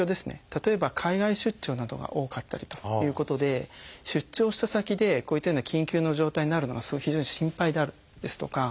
例えば海外出張などが多かったりということで出張した先でこういったような緊急の状態になるのは非常に心配であるですとか